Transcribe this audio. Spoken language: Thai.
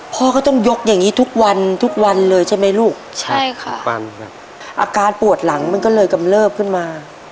พ่อต้องยกทุกวันอาการปวดหลังกำเลิกขึ้นมา